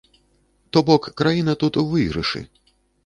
То бок, краіна тут у выйгрышы.